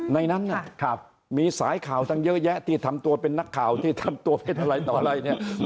ในนั้นมีสายข่าวตั้งเยอะแยะที่ทำตัวเป็นนักข่าวที่ทำตัวเป็นอะไรต่ออะไรเนี่ย